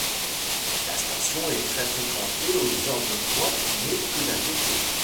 La station est très fréquentée aux heures de pointes mais que d'un côté.